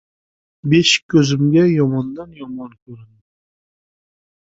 Beshik ko‘zimga yomondan-yomon ko‘rindi.